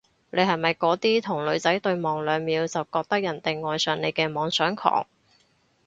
你係咪嗰啲同女仔對望兩秒就覺得人哋愛上你嘅妄想狂？